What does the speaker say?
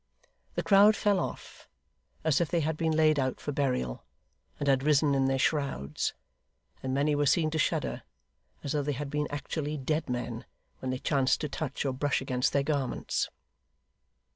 The crowd fell off, as if they had been laid out for burial, and had risen in their shrouds; and many were seen to shudder, as though they had been actually dead men, when they chanced to touch or brush against their garments.